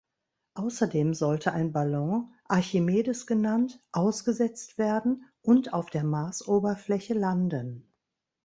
Außerdem sollte ein Ballon, Archimedes genannt, ausgesetzt werden und auf der Marsoberfläche landen.